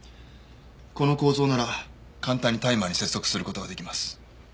この構造なら簡単にタイマーに接続する事が出来ます。